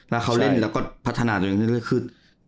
ถ้าเขาเล่นแล้วก็พัฒนาจนเรื่อยขึ้น